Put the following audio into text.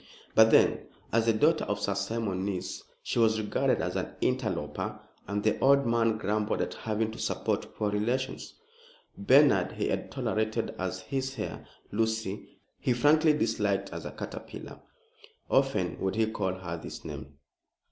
But then, as the daughter of Sir Simon's niece, she was regarded as an interloper, and the old man grumbled at having to support poor relations. Bernard he had tolerated as his heir, Lucy he frankly disliked as a caterpillar. Often would he call her this name.